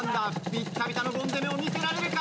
ビッタビタのゴン攻めを見せられるか。